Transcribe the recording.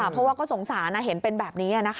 เพราะว่าก็สงสารเห็นเป็นแบบนี้